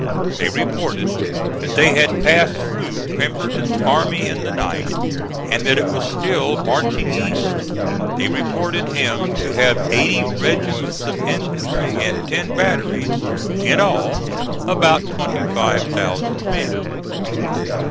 They reported that they had passed through Pemberton's army in the night, and that it was still marching east. They reported him to have eighty regiments of infantry and ten batteries; in all, about twenty five thousand men.